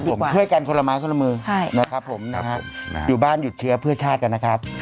ผมช่วยกันคนละไม้คนละมือนะครับผมนะฮะอยู่บ้านหยุดเชื้อเพื่อชาติกันนะครับ